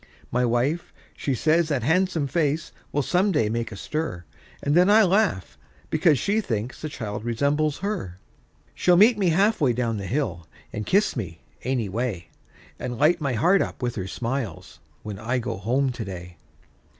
My wife, she says that han'some face will some day make a stir; And then I laugh, because she thinks the child resembles her. She'll meet me half way down the hill, and kiss me, any way; And light my heart up with her smiles, when I go home to day!